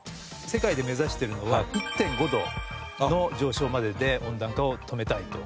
世界で目指してるのは１．５度の上昇までで温暖化を止めたいと。